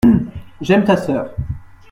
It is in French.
J’aime ta sœur.